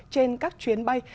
trên các chuyến bay